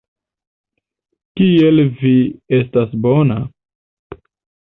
Kiel vi estas bona.